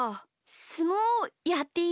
すもうやっていい？